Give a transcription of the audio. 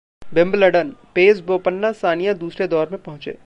विम्बलडनः पेस, बोपन्ना, सानिया दूसरे दौर में पहुंचे